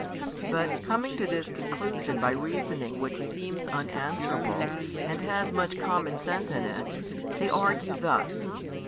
But, coming to this conclusion by reasoning which seems unanswerable and has much common sense in it, they argue thus.